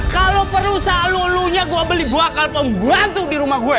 kalau perusahaan lu lunya gua beli dua kalpembuan tuh di rumah gue